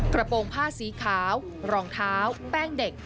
โปรงผ้าสีขาวรองเท้าแป้งเด็ก